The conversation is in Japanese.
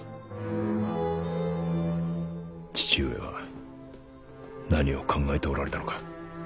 父上は何を考えておられたのか。